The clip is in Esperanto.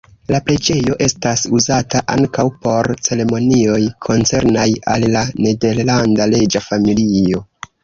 La preĝejo estas uzata ankaŭ por ceremonioj koncernaj al la nederlanda reĝa familio.